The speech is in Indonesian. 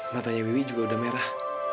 matanya wiwi juga udah merah